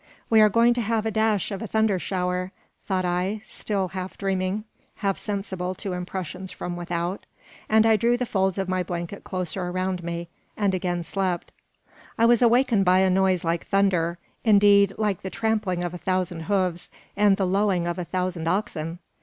"We are going to have a dash of a thunder shower," thought I, still half dreaming, half sensible to impressions from without; and I drew the folds of my blanket closer around me, and again slept. I was awakened by a noise like thunder indeed, like the trampling of a thousand hoofs, and the lowing of a thousand oxen!